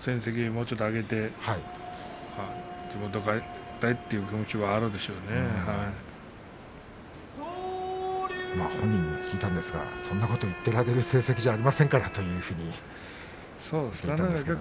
成績をもうちょっと上げて地元に帰りたいという気持ちは本人に聞いたんですがそんなことを言ってられる成績ではありませんと言ってました。